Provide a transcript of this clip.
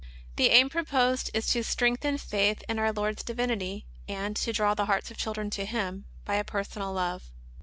The aim proposed is to strengthen faith in our Lord's Divinity, and to draw the hearts of children to Him by a personal love.